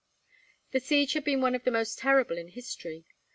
The siege had been one of the most terrible in history.